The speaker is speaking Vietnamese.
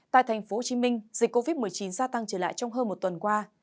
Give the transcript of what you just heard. tại tp hcm dịch covid một mươi chín gia tăng trở lại trong hơn một tuần qua